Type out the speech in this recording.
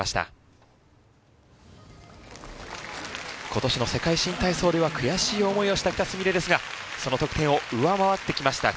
今年の世界新体操では悔しい思いをした喜田純鈴ですがその得点を上回ってきました。